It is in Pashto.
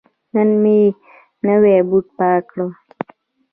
نن مې نوی بوټ پاک کړ.